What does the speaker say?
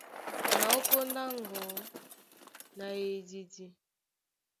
Na ó póndá á ŋgɔ̌ na eyididi.